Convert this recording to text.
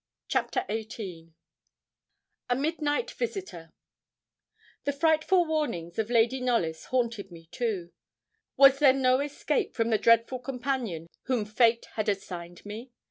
CHAPTER XVIII A MIDNIGHT VISITOR The frightful warnings of Lady Knollys haunted me too. Was there no escape from the dreadful companion whom fate had assigned me?